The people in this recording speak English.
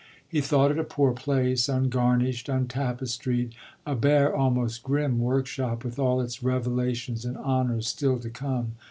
He thought it a poor place, ungarnished, untapestried, a bare, almost grim workshop, with all its revelations and honours still to come.